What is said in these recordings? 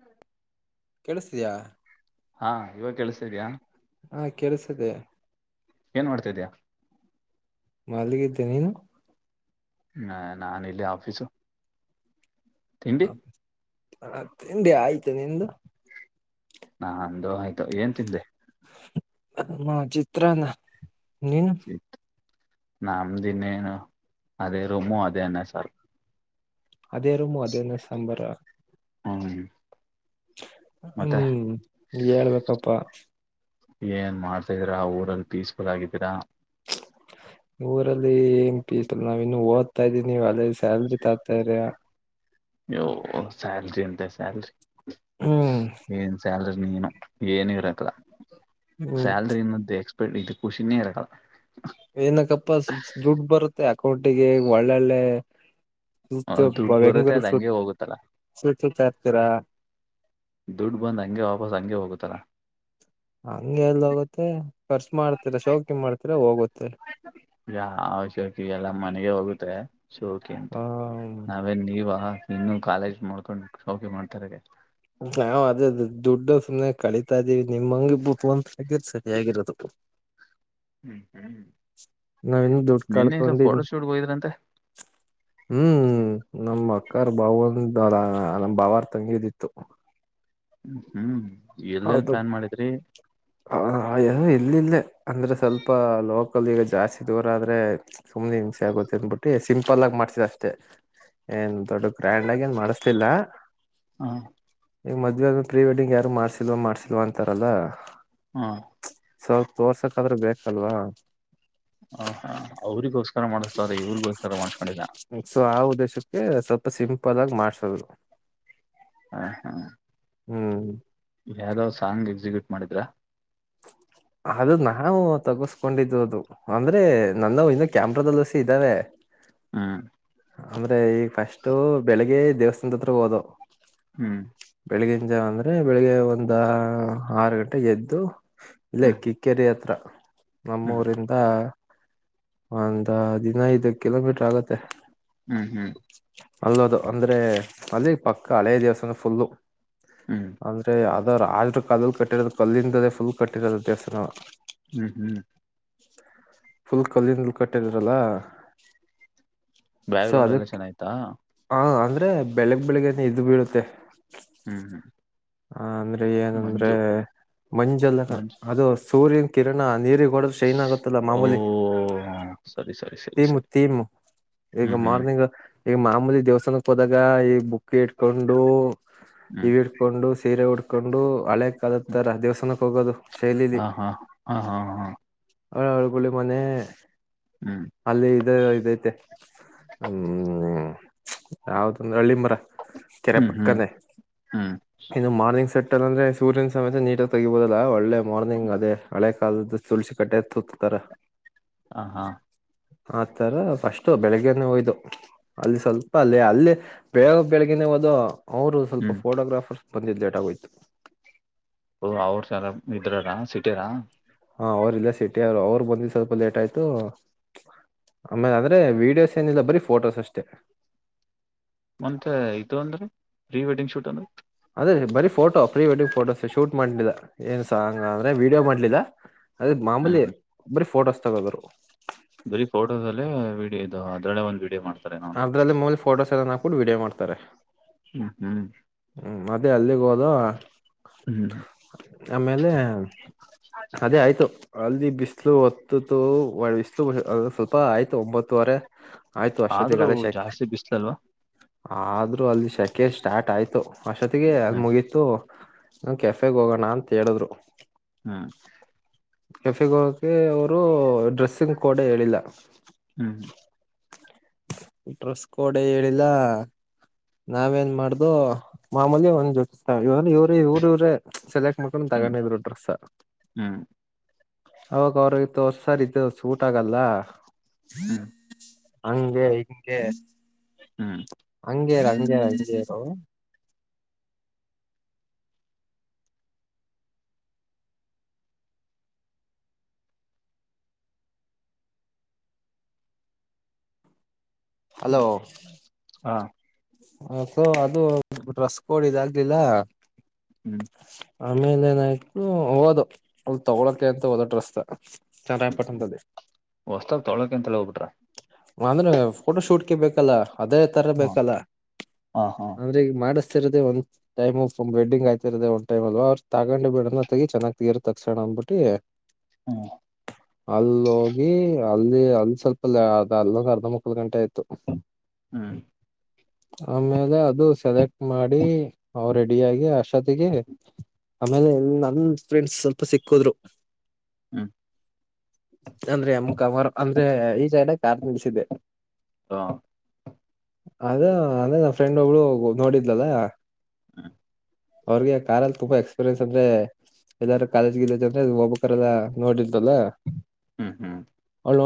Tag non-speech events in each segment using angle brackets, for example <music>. ಹ್ಮ್ ಕೇಳುಸ್ತಿದಿಯ? ಹಾ ಇವಾಗ ಕೆಳ್ಸತಿದ್ಯ? ಹಾ ಕೆಳುಸ್ತಿದೆ. ಏನ್ ಮಾಡ್ತಾ ಇದಿಯಾ? ಮಲಗಿದ್ದೆ ನೀನು? ಎ ನಾನ್ ಇಲ್ಲೇ ಆಫಿಸು. ಅಬ್ ಆ ತಿಂಡಿ ಆಯ್ತು ನಿಂದು? ನಾಂದು ಆಯ್ತು ಏನ್ ತಿಂದೆ? ಮ್ಮ್ ಚಿತ್ನಾನ. ನೀನು? ನಮ್ದ್ ಇನ್ನೇನು, ಅದೇ ರೂಮು, ಅದೇ ಅನ್ನ ಸಾರು. ಅದೇ ರೂಮು ಅದೇ ಅನ್ನ ಸಾಂಬಾರಾ? <unintelligible> ಮತ್ತೆ ಹ್ಮು ಹೇಳ್ಬೇಕಪ್ಪಾ. ಏನ್ ಮಾಡ್ತಾ ಇದೀರಾ, ಊರಲ್ ಪೀಸ್ಫುಲ್ ಆಗಿದ್ದೀರಾ? ಊರಲ್ಲೀ ಏನ್ ಪೀಸ್ಫುಲ್, ನಾವ್ ಇನ್ನು ಓದ್ತಾ ಇದ್ದೀನ್ ನೀವ್ ಆಗ್ಲೆ ಸ್ಯಾಲ್ರಿ ತಗ್ತಾ ಇರೇಯ. ಹೋ ಸ್ಯಾಲ್ರಿ ಅಂತೆ ಸ್ಯಾಲ್ರಿ. ಹ್ಮ್ ಏನ್ ಸ್ಯಾಲ್ ಏನೋ ಏನೂ ಇರಾಕಿಲ್ಲ ಹ್ಮ್ ಸ್ಯಾಲ್ರಿ ಅನ್ನೋದ್ ಎಕ್ <unintelligible> ಖುಶಿನೆ ಇರಲ್ಲ. ಏನಕ್ಕಪ್ಪಾ ಸುದ್ ದುಡ್ ಬರುತ್ತೆ ಅಕೌಂಟಿಗೆ ಒಳ್ಳೊಳ್ಳೆ ದುಡ್ಡು ಸುತ್ಯೊಬ್ಬ ಬರುತ್ತೆ ಬೆಂಗೂರು ಅದ್ ಸ ಹಂಗೆ ಹೋಗುತ್ತಲ್ಲ ಸುತ್ತ ಇರ್ತೀರ ದುಡ್ ಬಂದ್ ಹಂಗೆ ವಾಪಸ್ ಹಂಗೆ ಹೋಗುತ್ತಲ. ಹಂಗೆ ಎಲ್ ಹೋಗುತ್ತೆ. ಖರ್ಚು ಮಾಡ್ತೀರಾ ಶೌಕಿ ಮಾಡ್ತೀರ ಹೋಗುತ್ತೆ. ಯಾವ ಶೋಕೆ ಅಂತೆ ಹ ನಾವೇನ್ ನೀವ? ಇನ್ನು ಕಾಲೇಜ್ ಮಾಡ್ಕೊಂಡು ಶೌಕಿ ಮಾಡ್ತಾರೆಗೇ ನಾವು ಅದೇದ್ದ್ ದುಡ್ಡು ಸುಮ್ಮನೆ ಕಳಿತಾ ಇದ್ದೀವಿ ನಿಮ ಹಂಗಿದ್ ಬುದ್ವಂತರ್ ಆಗಿದ್ರೆ ಸರಿಯಾಗಿರೋದು. ಹ್ಮ್ ನಾವಿನ್ನು ದುಡ್ಡು ಈಗ ಕಳ್ಕೊಂಡಿದು ಫೋಟೋಶೂಟ್ಗೆ ಹೋಗಿದ್ರಂತೆ ಹ್ಮ್ ನಮ ಅಕ್ಕಾರ್ ಬಾಾವಂದ ನಮ್ ಬಾವಾರ ತಂಗಿದಿತ್ತು ್ಮ ಹ್ಮ್ ಎಲ್ಲಲ್ ಪ್ಲಾನ್ ಮಾಡಿದ್ರಿ ಹದು ಇಲ್ಲಿಲ್ಲೇ ಅಂದ್ರೆ ಸ್ವಲ್ಪ ಲೋಕಲ್ ಈಗ ಜಾಸ್ತಿ ದೂರ ಆದ್ರೆ ಸುಮ್ನೆ ಹಿಂಸೆ ಆಗುತ್ತೆ ಅನ್ಬಿಟ್ಟಿ ಸಿಂಪಲ್ ಆಗಿ ಮಾಡ್ಸಿದ ಅಷ್ಟೇ ಏನ್ ದೊಡ್ ಗ್ರ್ಯಾಂಡ್ ಆಗ ಏನ್ ಮಾಡಸ್ತಿಲ್ಲ ಹಾ ಮಧ್ಯ ಪ್ರೀ ವೆಡ್ಂಗ ಯಾರು ಮಾರ್ಚ್ ಸಿಲ್ವ ಮಾಡ್ಸಲ್ವಾ ಅಂತಾರಲ್ಲ ಹಾ ಸ್ವಲ್ಪ ತೋರ್ಸಕ್ ಆದ್ರೂ ಬೇಕಲ್ವಾ ಹ ಹಾ ಅವ್ರಗೋ ಮಾಡ್ತಾರೆ ಇವ್ಗ ಸಮ ಸೊ ಆ ಉದ್ದೇಶಕ್ಕೆ ಸ್ವಲ್ಪ ಸ್ಪ ಸಿಂಪಲ್ ಆಗಿ ಮಾಡ್ಸಲ್ದು ಹ ಹಾ ಹ್ಮ್ ಯಾವ್ದೋ ಸಾಂಗ್ ಎಕ್ಸಿಕ್ಯೂಟ್ ಮಾಡಿದ್ರಾ ಅದು ನಾವು ತಗಸ್ಕೊಂಡಿದ್ದ್ ಅದು ಅಂದ್ರೆ ನನ್ನ ಇನ್ನು ಕ್ಯಾಮ್ರದಲ್ಲಸಿ ಇದ್ದಾವೆ ಹಾ ಅಂದ್ರೆ ಈಗ ಫಸ್ಟ ಬೆಳಿಗ್ಗೆ ದೇವಸ್ಥಾನದ ಹತ್ರ ಹೋದ ಹ್ಮ್ ಸಂಜ ಅಂದ್ರೆ ಬೆಳಿಗ್ಗೆ ಒಂದು ಆರು ಗಂಟೆಗೆ ಎಗೆದ್ದು ಇಲ್ಲ ಹ್ಮ್ ಕಕ್ಕೇರಿ ಹತ್ರ ಹ್ಮ್ ನಮ್ಮೂರಿಂದ ಒಂದ ದಿನ ಐದು ಕಿಲೋಮೀಟರ್ ಆಗತ್ತೆ ಹ್ಮ್ ಹ್ಮ್ ಅಲ್ಲದು ಅಂದ್ರೆ ಅಲ್ಲಿ ಪಕ್ಕ ಹಳೇ ದಿವಸ ಫುಲ್ಲು ಹ್ಮ್ ಅಂದ್ರೆ ಅದು ಅ ಆದ್ರರು ಕಲ್ಲಲ್ ಕಟ್ಟಿರೋದು ಕಲ್ಲಿಂದೇ ಫುಲ್ ಕಟ್ಟಿರೋದು ದೇವಸ್ರ ಹ್ಮ್ ಹ್ಮ್ ಫುಲ್ ಕಲ್ಲಿಿಂದ ಕಟ್ಟದರಲ್ಲ ಬ್ಯಾಕ್ ಗ್ರೌಂಡ್ ಎಲ್ಲ ಚೆನ್ನ ಆಯ್ತಾ ಹ ಅಂದ್ರೆ ಬೆಳಗ್ ಬೆಳಿಗ್ಗೆಏನ ಇದು ಬೀಳುತ್ತೆ ಹ್ಮ್ ಹ್ಮ್ ಹ ಅಂದ್ರೆ ಏನಂದ್ರೆ ಮಂಜು ಮಂಜಲ್ಲ ಮಂಜು ಅದು ಸೂರ್ಯನ್ ಕಿರಣ ನೀರಿಗೆ ಡ ಶೈನ್ ಆಗತ್ತಲ್ಲ ಓ ಮಾಮೂಲಿ ಸರಿ ಸರಿ ಸರಿ ೀಮ್ ಸರಿ ೀಮ ಹ್ಮ್ ಈಗ ಹ್ಮ್ ಮಾರ್ನಿಂಗ್ ಈಗ ಮಾಮೂಲಿ ದೇವಸ್ಥಾನಕ್ಕೆ ಹೋದಾಗ ಈ ಬು ಕ ಇಟ್ಕೊಂಡು ಇ ಹ್ಮ್ ಕೊಂಡು ಸೀರೆ ಉಡ್ಕೊಂಡು ಹಳೆ ಹ್ಮ್ ಕಾಲತ್ತಾರ ದೇವಸ್ಥಾನಕ್ಕೆ ಹೋಗೋದು ಶೈಲಿಲಿ ಹಾ ಹಾ ಹಾ ಹಾ ಹಾ ಹಳ ಹಳಗಳಿ ಮನೆ ಹ್ಮ್ ಅಲ್ಲಿ ಇ ಇದೈತೆ ಹ್ಮ್ ಯಾವ್ದಂದ್ರ ಹಳ್ಳಿ ಮರ ಕೆರೆ ಹ್ಮ್ ಹ್ಮ್ ಪಕ್ಕದ ಹ್ಮ್ ಇನ್ನು ಮಾರ್ನಿಂಗ್ ಸಟ್ ಅಂದ್ರೊ್ಯನ ಸಮಸೆ ನೀಟ ಆ ತೆಗಬಹುದಲ್ಲ ಒಳ್ಳೆ ಮಾರ್ನಿಂಗ್ ಅದೇ ಹಳೆ ಕಾಲದ ತುಳಸಿ ಕಟ್ಟತ್ ಹತ ತರ ಹ ಹಾ ಆತರ ಫಸ್ಟ್ು ಬೆಳಗ್ನೆ ಹೋಯ್ದು ಅಲ್ಲಿ ಸ್ವಲ್ಪ ಅಲ್ಲೇ ಅಲ್ಲಿ ಬೆ ಬೆಳಗ್ನೆೇ ಹೋದು ಅವರು ಹ್ಮ್ ಸ್ವಲ್ಪ ಬಂದಿದ್ದ್ ಲೇಟ್ ಆೋಯ್ತು ಹೊ ಅವ್ರ್ <unintelligible> ಇದ್ರಾರ ಸಿಟಿರಾ ಹಾ ಅವ್ರಲ್ಲ ಸಿಟಿ ಅವರು ಅವರು ಬಂದಿದ್ದ ಸ್ವಲ್ಪ ಲೇಟ್ ಆಯ್ತು ಆಮೇಲೆ ಅಂದ್ರೆ ವೀಡಿಯೋಸ್ ಏನಿಲ್ಲ ಬರೀ ಫೋಟೋಸ್ ಅಷ್ಟೆ ಮತ್ತೆ ಇದು ಅಂದ್ರ ಪ್ರೀ ವೆಡ್ಡಿಂಗ್ ಶೂಟ್ ಅಂದ್ರ ಅೆ ಬರೀ photo pre wedding photos shoot ಮಾಡ್ಲಿಲ್ಲ ಏನ್ ಸಾಂಗ ಅಂದ್ರೆ ವೀಡಿಯೋ ಮಾಡ್ಲಿಲ್ಲ ಅದೇ ಹ್ಮ್ ಮಾಮೂಲಿ ಹ್ಮ್ ಬರಿ ಫೋಟೋಸ್ ತಗದರು ಬರೀ ಫೋಟೋದಲ್ಲೇ ವೀಡಿಯೋ ಇದು ಅದ್ರಲ್ಲೆ ಒಂದು ವೀಡಿಯೋ ಮಾಡ್ ಅದ್ರಲ್ಲಿ ಮಲಿ ಫೋಟೋಸ್ ಎಲ್ಲ ಹಾ ಕೂಡ್ ವೀಡಿಯೋ ಮಾಡ್ತಾರೆ ಹ್ಮ್ ಹ್ಮ್ ಮತ್ತೆ ಅಲ್ಲಿಗೆ ಹೋದ ಹ್ಮ್ ಆಮೇಲೆ ಹ ಅದೇ ಆಯ್ತು ಅಲ್ದಿ ಬಿಸ್ ಇಲು ಹೊತ್ತತ್ತುು ಇಷ್ಟು ಸ್ವಲ್ಪ ಆಯ್ತು ಒಂಬತ್ತುವರೆ ಆಯ್ತು ಅಷ್ಟೊತ್ತಿಗೆ ಆದ್ರೂ ಅದೇ ಶೆಕೆ ಜಾಸ್ತಿ ಬಿಸಲ ಅಲ್ವಾ ಆದ್ರೂ ಅಲ್ಲಿ ಶೆಕೆ ಸ್ಟಾರ್ಟ ಆಯತು ಅಷ್ಟೊತ್ತಿಗೆ ಅದ ಹ್ಮ್ ಮುಗಿತ್ತು ಹ ಕೆಫೆಗ್ ಹೋಗೋಣ ಅಂತ ಹೇಳಿದ್ರು ಹೂ ಕೆಫೆಗೆ ಹೋಗಕೆ ಅವರು ಡ್ರೆಸ್ಸಿಂಗ್ ಕೋಡ್ ಹೇಳಿಲ್ಲ ಹ್ಮ್ ಡ್ರೆಸ್ ಕೋಡೆ ಹೇಳಿಲ್ಲ ನಾವೇನ್ ಮಾಡ್ದು ಮಾಮೂಲಿ ಒಂದ್ ಜೋತಿತ ಇವ ಇವ್ರ ಇವರ ಇವರೇ ಸೆಲೆಕ್ <inaudible> ಹ್ಮ್ ತಗೊಂಡಿದ್ರು ಡ್ರೆಸ್ ಹ್ಮ್ ಅವಾಗ ಅವ್ರತ್ತು ಹೊರ್ಸರ್ ಇ ಸೂಟ್ ಆಗಲ್ಲ ಹ್ಮ್ <unintelligible> ಹಂಗೆ ಹಿಂಗೆ ಹ್ಮ್ ಅಂಗೆ ಅಂಜೇ ಅಂಜೇರ <unintelligible> ಹಾ ಹ ಸೊ ಅದು ಡ್ರೆಸ್ ಕೋಡ್ ಇದಾಗಗ್ಲಿಲ್ಲ ಹ್ಮ್ <inaudible> ಆಮೇಲೆ ಏನಾಯ್ತು ಹೋದವೂ ತಗೋಳೋಕಂತ ಹೊದವು ಡ್ರೆಸ್ ನ ಚಂದ <unintelligible> ಪಟ್ಟಂತ್ದ ಹೊಸ್ತಾಗ ತೊಳಕ ಅಂತಲ್ಲ ಹೋಗ್ಬಿಟ್ರ <unintelligible> ನಂದ್ರ ಫೋಟೋ ಶೂಟ್ ಹ <unintelligible> ಬೇಕಲ್ಲ <inaudible> ಅದೇ ತರ ಬೇಕಲ್ಲ ಹಾ ಹಾ ಮಾಡಿಸ್ತಿರದೇ ಒಂದ ಟೈಮ್ ವೆಡಿಂಗ ಆಗ್ತಿರೋದೇ ಒಂದುರ ಟೈಮ ಅಲ್ ಅವ್ರ ತಗೊಂಡ ಚೆನ್ನಾಗಿ ತಗಸಣ <unintelligible> ಅಂದ್ಬಿಟ್ಟಿ ಹ್ಮ್ ಅಲ್ಲೋಗಿ ಅಲ್ಲಿ <inaudible> <unintelligible> ಅಲ್ ಸ್ವಲ್ಪ ಅದ ಅಲ್ಲ ಅರ್ಧ ಮುಕ್ಕಲ್ ಗಂಟೆ ಆಯ್ತು ಹ್ಮ್ ಆಮೇಲೆ ಅದು ಸೆಲೆಕ್ಟ್ ಮಾಡಿ ಅವ ರೆಡಿಯಾಗಿ ಅಷ್ಟೊತ್ತಿಗೆ ಆಮೇಲೆ ನಮ ಫ್ರೆಂಡ್ಸ್ ಸ್ವಲ್ಪ ಸಿಕ್ಕದ್ರು ಹ್ಮ ಅಂದ್ರೆ ಅಮ್ ಕವರ್ ಅಂದ್ರೆ ಈ <unintelligible> ಕಾರ್ <unintelligible> ನಿಲ್ಸಿದೆ ಹ ಅದ ಅಂದ್ರ ನಾ ಫ್ರೆಂಡ್ ಒಬ್ಳು ನೋಡಿದ್ಲಲ್ಲ <inaudible> ಅವ್ರಿಗೆ ಕಾರಲ್ಲಿ ತುಂಬಾ ಎಕ್ಸ್ಪೀರಿಯನ್ಸ್ ಅಂದ್ರೆ ಎಲ್ಲಾರೂ ಕಾಲೇಜ್ಗ್ದ ಅಂದ್ರೆ ಹೋಗ್ಬೇಕಲ್ಲಾ ನೋಡಿರ್ತಲ್ಲ ಹ್ಮ್ ಹ್ಮ್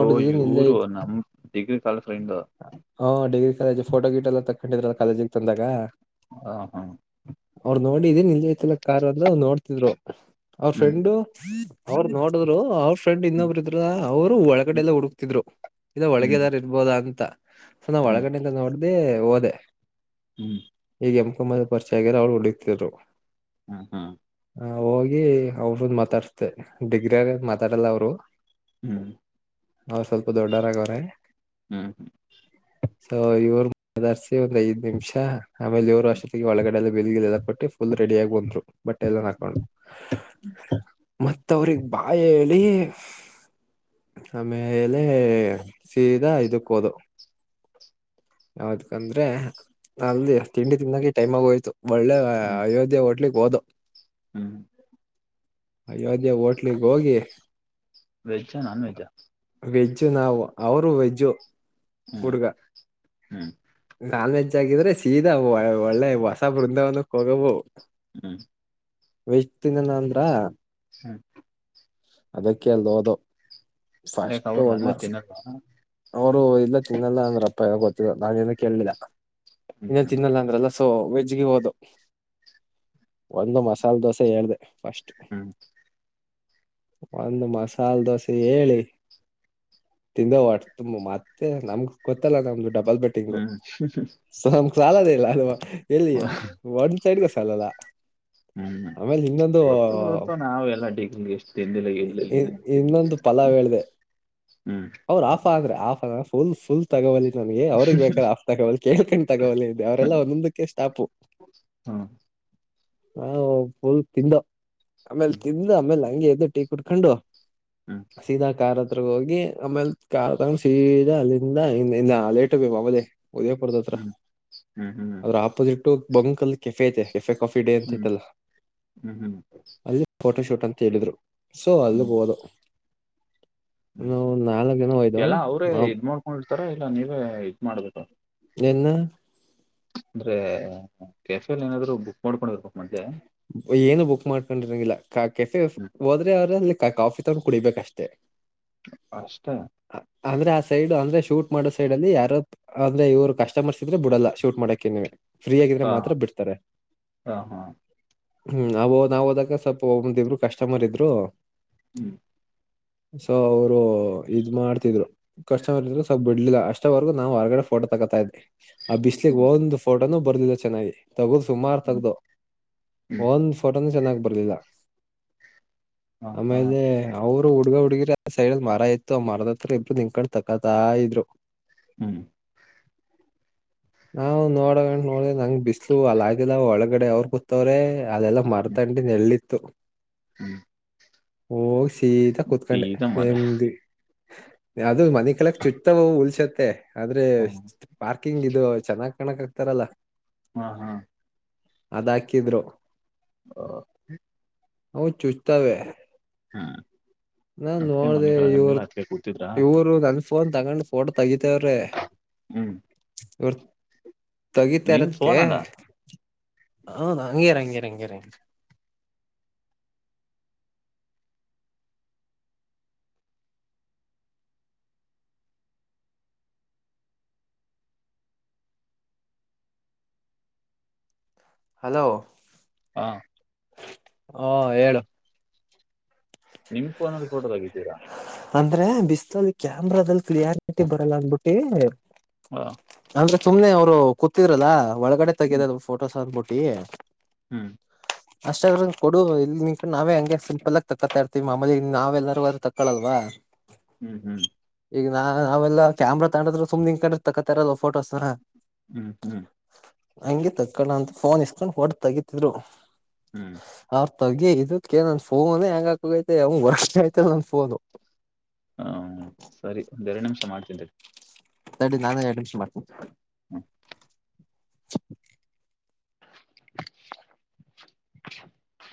ಓ ಇಲ್ಲೇ ಇವ್ರು ಐತ್ ನಮ್ ಡಿಗ್ರಿ ಕಾಲೇಜ್ ಫ್ರೆಂಡು ಹ <inaudible> ಫೋಟೋ ಗೀಟ್ ಎಲ್ಲ ತಕೊಂಡಿದರಲ್ಲ ಕಾಲೇಜ ತಂದಾಗ ಹ ಹಾ ನೋಡಿದ ನಿಲ್ ಐತಿಲ್ಲ ಕಾರ್ ಅಲ್ಲ ನೋಡ್ತಿದ್ರು ಅವ್ರ ಹ್ಮ್ ಫ್ರೆಂಡು ಅವರು ನೋಡಿದ್ರು ಅವ ಫ್ರೆಂಡ್ ಇನ್ನೊಬ್ಬರು ಇದ್ರು ಅವರು ಒಳಗಡೆ ಹ್ಮ್ ಎಲ್ಲ ಹುಡುಕ್ತಿದ್ರು ಇದ ಹ್ಮ್ ಒಳಗದಾರ ಇರ್ಬೋದಾ ಅಂತ <unintelligible> ನ ಹ್ಮ್ ಒಳಗಡೆದ ನೋ ಅದೇ ಹೋದೆ ಹ್ಮ್ <inaudible> ಎಂಪ <unintelligible> ಮ್ಮದ ಪರಿಚ ಆಗ್ಯಾರ ಅವ್ರು ಹೊಡಿತಿದ್ರು ಹ್ಮ್ ಹ್ಮ್ <inaudible> <inaudible> ಹೋಗಿ ಅವುರ್ಣ ಮಾತಾಡ್ಸ್ತೆ ಡಿಗರ ಮಾತಾಡಲ್ಲ ಅವರು ಹ್ಮ್ ಅವ್ರ ಸ್ವಲ್ಪ ದೊಡ್ಡರಾಗವರೆ ದೊಡ್ಡವರಾಗವ್ರೆ ಹ್ಮ್ ಸೊ ಇವರು ಅದಾರ್ಸಿ ಒಂದ್ ಐದ್ ನಿಮಿಷ ಆಮೇಲೆ ಅವರು ಹ್ಮ್ ಅಷ್ಟೊತ್ತಿಗೆ ಒಳಗಡೆ ವಿಲ್ ಗಿಲ್ ಎಲ್ಲ ಕೊಟ್ಟಿ ಫುಲ್ ರೆಡಿಯಾಗಿ ಹೋದ್ರು ಬಟ್ಟೆ ಎಲ್ಲ ಹಾಕೊಂಡು ಮತ್ತ ಮತ್ತೆ ಅವರಿಗ್ ಬಾಯ್ ಹೇಳಿ ಆಮೇಲೆ ಸೀದಾ ಇದಕ್ ಹೋದ ಯಾವದಕಂದ್ರೆ ಅಲ್ಲಿ ತಿಂಡಿ ತಿಂದಂಗೆ ಟೈಮ್ ಆಗೋಯ್ತು ಒಳ್ಳೆ ಹ್ಮ್ ಅಯೋಧ್ಯೆ ಹಟ್ಲಿಕ್ ಹೋದ <inaudible> ಹ್ಮ್. <inaudible> ಅಯೋಧ್ಯ ಹೋಟ್ಲಿಗ್ ಹೋಗಿ. ವೆಜ್ಜಾ ನಾನ್ವೆೆಜ್ಜಾ ವೆಜ್ ನಾವು ಅವರು ವೆಜ್ಜು. ಹ್ಮ್. ಹುಡ್ಗ ಹ್ಞೂ. <inaudible> ನಾನ್ ವೆಜ್ ಆಗಿದ್ರೆ ಸೀದಾ ಒಳ್ಳೆ ಹೊಸ ಬೃಂದಾವನಕ್ ಹೋಗವು ಹ್ಮ್ <inaudible> ವೆಜ್ ತಿನನ ಅಂದ್ರ. ಸ <inaudible> ಅದಕ್ಕ ಲೋದೋ ಯಾಕ ಫಸ್ಟು ಅವ್ರು ಒಂದ್ ನಾನ್ ವೆಜ್ ಮಾಸ ತಿನ್ನಲ್ವಾ ಅವರು ಇಲ್ಲ ತಿನ್ನಲ್ಲ ಅಂದ್ರ ಅಪ್ಪ ಗೊ ನಾನೇಏನ ಹ್ಮ್ ಕೇಳಲಿಲ್ಲ ಹ್ಮ್ ತಿನ್ನಲ್ಲ ಅಂದ್ರಲ್ಲ ಸೂ ವೆಜ್ಗೆ ಹೋದು ಒಂದು ಮಸಾಲೆ ದೋಸೆ ಹೇಳ್ದ ಫಸ್ಟ್ ಹ್ಮ್ ಒಂದು ಮಸಾಲೆ ದೋಸೆ ಹೇಳಿ ತಿಂದ ಹೊಡ್ ಮತ್ತೆ ನಮ್ಧ್ ಗೊತ್ತಲ್ಲ ನಮ್ ಡಬ್ ಬಲ್ಬಟ್ಟಿಂಗು ಹ್ಮ್ ಸ ಸಾಲೊದ್ಧೆ ಇಲ್ಲ ಅಲ್ವಾ. ಎಲ್ಲಿ ಒಂದು ಸೈಡಿಗೆ ಸಾಲಲ್ಲ ಹ್ಮ್ ಆಮೇಲೆ ಇನ್ನೊಂದು ಗೊತ್ತೋ ಗೊತ್ತೋ ನಾವ ಎಲ್ಲ ಡಿಗ್ರಿಲಿ ಎಷ್ಟು ತಿಂದಿಲ್ಲ ಇ- ಎಲ್ಲೆಲ್ಲಿ ಇ- ಏನೇನೋ ಇನ್ನೊಂದು ತಿಂದಿದೀವಿ. ಪಲಾವ್ ಹ್ಮ ಹಾಫ್ ಅಲ್ಲ ಫುಲ್ ಫಲ್ ತಗೋ ನನ್ಗೆ ಅವ್ರಗ್ ಬೇಕಾರೆ ಆಫ್ ತಗೊಲ್ ಕೇಳ್ಕೊಂಡ್ ತಗೋಲ್ಲಲೆ <unintelligible> ಅವರೆಲ್ಲ ಒಂದುಕ್ಕೆ ಸ್ಟಾಪು. ಹ್ಮ್ ಹಾ ಫುಲ್ ತಿಂದೋ ಆಮೇಲೆ ಹ್ಮ್ ತಿಂದ್ ಆಮೇಲೆ ಹಂಗೆ ಎದೆ ಟೀ ಕುಡ್ಕಂಡು ಹ್ಮ್ ಸೀದಾ ಕಾರ ಪ್ರೀ ಹೋಗಿ ಆಮೇಲ್ ಕಾರ್ ತಂಗ ಸೀದಾ ಅಲ್ಲಿಂದ ಇ ಇ ಲೇಟು ಬಿ ಮಾಮೂಲಿ ಉದಯ್ ಪುರದತ್ರ ಹ್ಮ್ ಹ್ಮ್ ಹ್ಮ್ ಅವ್ರ್ ಆಪೋಸಿಟ್ಟು ಬೊಂಕಲ್ ಕೆಫೇ ಐತೆ. ಕೆಫೆ ಕಾಫಿ ಡೇ ಅಂತ ಹ್ಮ್ ಇತ್ತಲ್ಲ ಹ್ಮ್ ಅಲ್ ಫೋಟೋ ಶೂಟ್ ಅಂತ್ ಹೇಳಿದ್ರು ಸೊ ಹ್ಮ್ ಅಲ್ಲಿಗ್ ಹೋದೆ. ನೀವು ನಾಲಕ್ ಎಲ್ಲ ಅವ್ರೇ ಇದ್ ಮಾಡ್ಕೊಂಡಿರ್ತಾರ ಇಲ್ಲ ನೀವೇ ಇದ್ ಮಾಡ್ಬೇಕ. ನೆನ್ನು ಅಂದ್ರೆ ಕೆಫೆಲ್ ಏನಾದ್ರು ಬುಕ್ ಮಾಡ್ಕೊಂಡ್ ಬರ್ಬೇಕ್ ಮಡ್ ಏನು ಬುಕ್ ಮಾಡ್ಕೊಂಡಿರಂಗಿಲ್ಲ ಕ ಕೆಫೆ ಹೋದ್ರೆ ಅವ್ರ್ ಅಲ್ಲಿ ಕಾಫಿ ತನ್ ಕುಡಿಬೇಕಷ್ಟೇ. ಅಷ್ಟೆ ಅ- ಅಂದ್ರೆ ಆ ಸೈಡ್ ಅಂದ್ರೆ ಶೂಟ್ ಮಾಡೋ ಸೈಡ್ ಅಲ್ಲಿ ಯಾರೋ ಅಂದ್ರೆ ಇವರು ಕಸ್ಟಮರ್ಸ್ ಇದ್ರೆ ಬಿಡಲ್ಲ ಶೂಟ್ ಮಾಡಕ್ಕೆ ನೀವೆ. ಫ್ರೀ ಆಗಿದ್ರೆ ಹ ಮಾತ್ರ ಬಿಡ್ತಾರೆ. ಹ ಹಾ ಹ್ಮ್ ನ ನಾವ್ ಹೋದಾಗ ಸ್ವಲ್ಪ ಒಂದಿಬ್ರು ಕಸ್ಟಮರ್ ಇದ್ರು ಹ್ಮ್ ಸೊ ಅವರು ಇದ್ ಮಾಡ್ತಿದ್ರು ಕಸ್ಟಮರ್ ಇದ್ರು ಸೊ ಬಿಡ್ಲಿಲ್ಲ ಅಷ್ಟವರ್ಗೂ ನಾವ್ ಹೊರ್ಗಡೆ ಫೋಟೋ ತಕೋತಾ ಇದ್ವಿ. ಆ ಬಿಸ್ಲಿಗೆ ಹ್ಮ್ ಒಂದು ಫೋ ಟೋನು ಬರ್ಲಿಲ್ಲ ಚೆನ್ನಾಗಿ. ತಗದು ಸುಮಾರು ಹ್ಮ್ ತಗ್ದ್ವು ಹ್ಮ್ ಒನ್ ಫೋಟ <unintelligible> ಗಿ ಬರ್ಲಿಲ್ಲ. ಹಾ ಹಾ ಆಮೇಲೆ ಅವ್ ಹುಡುಗ ಹುಡುಗಿ ಆ ಸೈಡ್ಡಲ್ ಮರ ಇತ್ತು ಆ ಮರದ ಹತ್ರ ಇಬ್ರು ನಿಂತ್ ಕಂಡ್ ತಕತಾ ಇದ್ರು. ಹ್ಮ್ ನಾವು ನೋಡಂ ನೋಡ ನಂಗ್ ಬಿಸ್ಲು ಅಲ್ಲಾಗಿಲ್ಲ ಒಳಗಡೆ ಅವ್ರ್ ಕುತ್ ತ್ತವ್ರೆ ಅದೆಲ್ಲಾ ಮರ್ತಂಡಿ ನೆಳ್ಳ ಹ. ಹ್ಮ. ಹುಷ ಸೀತಾ ಕುೂತ್ಕೊಂಡೆ ಮನೆ ನೇಮ್ದಿ ಅದು ಮನಿ ಕಲಕ್ ಚುತ್ತತವು ಉಲ್ಸತ್ ಮತ್ತು. ಆದ್ರೆ ಹ್ಮ್ ಪಾರ್ಕ್ ಹಾ ಹಿಂಗ ಇದು ಚೆನ್ನ್ ಕಕ ಆಕ್ತಾರಲ್ಲಾ ಹ್ಮ ಹ್ಮ್ ಅದಾ ಹಾಕಿದ್ರು ಓ ಹ ಚೂಚ್ತಾವೇ ಹಾ ನಾ ಅದಕ್ಕೆ ನೋಡ್ದ ಮನೆ ಕೆಳಗಂದಿಲ್ಲ ಇವರು ಅದಕ್ಕೆ ಕೂತಿದ್ರಾ ಇವರು ನನ್ಸ ತಗೊಂಡು ಫೋಟೋ ತಗಿತೇವ್ರೆ ಹ್ಮ್ ಎರ್ ನಿಮ್ ತಗಿತಾರದೆಕೆ ಫೋನ್ ಅಲ್ಲ ಹೌದ ಹಂಗಗೆರ ಹಂಗಗೆರ್ ಹಂಗರ ಹಲೋ ಹಾ ಹಾ ಹೇಳು ನಿಮ್ಮಪೋನಲ್ಲಿ ಫೋಟೋ ತಗಿದ್ದೀರಾ ಅಂದ್ರೆ ಬಿಸ್ತೂಲ್ ಕ್ಯಾಮ್ರಾದಲ್ಲಿ ಕ್ಲಿಯಾರಿಟಿ ಬರಲ್ಲ ಅಂದಬಿಟ್ಟಿ ಹಾ ಅಂದ್ರೆ ಸುಮ್ಮನೆ ಅವ್ರು ಕೂತಿದ್ರಲ್ಲಾ ಒಳಗಡೆ ಹ್ಮ್ ತೆಗೆದದುಫೋಟೋಸ್ ಅಬಟ್ಟ ಸ ಹ್ಮ್ ಅಷ್ಟಾದ್ರ ಕೊಡು ಇಲ್ಲಿ ನಿಂಕೊಂಡು ನಾವೇ ಹಂಗೆ ಸಿಂಪಲ್ ಆಗ ತಕೊತಾ ಇರ್ತೀವಿ ಮಾಮಲಿ ನಾವೆಲ್ಲಾರೂ ಆದ್ರೆ ತಕ್ಕಕಳಲ್ವಾ ಹ್ಮ್ ಹ್ಮ್ ಈಗ ನಾ ನಾವೆಲ್ಲ ಕ್ಯಾಮರಾ ತಗಡ್ರೆ ಸುಮ್ಮ ಹಂಗ ಕ ರದಫೋಟೋಸ್ತ ಹಾ ಹ್ಮ್ ಹ್ಮ್ ಹಂಗಗೆ ತಕ್ಕಣ ಅಂತ ಫೋನ್ ಇಸ್ಕೊಂಡ್ ಹೊಟ್ಟ ತಗತಿದ್ರು ಹ್ಮ್ ತಗ ಇದ್ಕ ನನ್ ಫೋನ್ ಹೆಂಗ ಹಾಕೈತೆ ಅವ ವರ್ಷ ಐತೆ ನನ್ ಫೋನು ಹ ಸರಿ ಒಂದೆರಡು ನಿಮಿಷ ಸಮಾಜಿಂದ ಸಡಿ ನಾನೇ ಅಡ್ಮಿಷನ್ ಮಾಡ್ತೀನಿ ಹ್ಮ <unintelligible> <unintelligible>